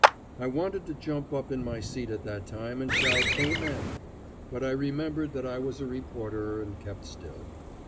I wanted to jump up in my seat at that time and shout Amen! But I remembered that I was a reporter and kept still.